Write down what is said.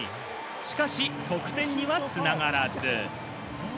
しかし得点には繋がらず。